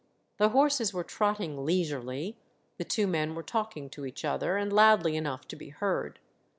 The horses were trotting leisurely, the two men were talking to each other, and loudly enough to be heard.